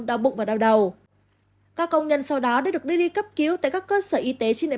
đau bụng và đau đầu các công nhân sau đó đã được đưa đi cấp cứu tại các cơ sở y tế trên địa